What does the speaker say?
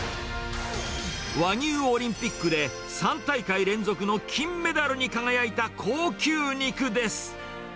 和牛オリンピックで３大会連続の金メダルに輝いた高級肉です。